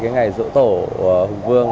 ngày dỗ tổ hùng vương